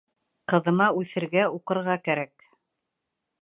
Ҡыҙыма үҫергә, уҡырға кәрәк.